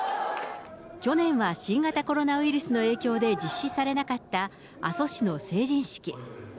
去年は新型コロナウイルスの影響で実施されなかった阿蘇市の成人式。